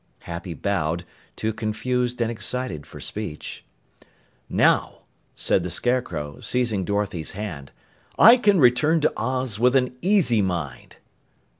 Happy bowed, too confused and excited for speech. "Now," said the Scarecrow, seizing Dorothy's hand, "I can return to Oz with an easy mind."